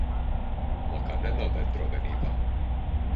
Μα κανένα δέντρο δεν είδα